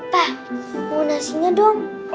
pak mau nasinya dong